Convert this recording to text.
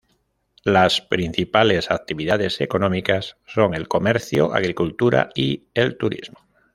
Las principales actividades económicas son el comercio, agricultura y el turismo.